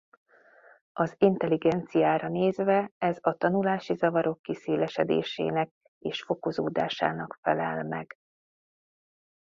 Az intelligenciára nézve ez a tanulási zavarok kiszélesedésének és fokozódásának felel meg.